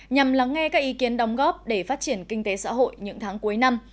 nhằm lắng nghe các ý kiến đóng góp để phát triển kinh tế xã hội những tháng cuối năm